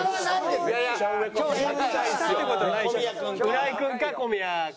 浦井君か小宮か。